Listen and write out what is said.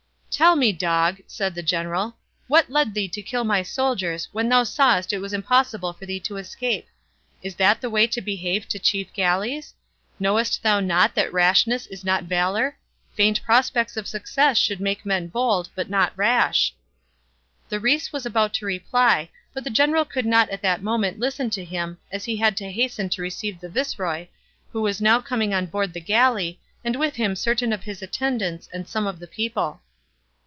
"Tell me, dog," said the general, "what led thee to kill my soldiers, when thou sawest it was impossible for thee to escape? Is that the way to behave to chief galleys? Knowest thou not that rashness is not valour? Faint prospects of success should make men bold, but not rash." The rais was about to reply, but the general could not at that moment listen to him, as he had to hasten to receive the viceroy, who was now coming on board the galley, and with him certain of his attendants and some of the people.